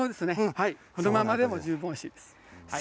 このままでも十分おいしいです。